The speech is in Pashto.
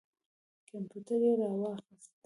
کمپیوټر یې را واخیست.